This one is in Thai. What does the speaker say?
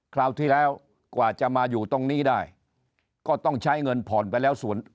คราวที่แล้วกว่าจะมาอยู่ตรงนี้ได้ก็ต้องใช้เงินผ่อนไปแล้วส่วน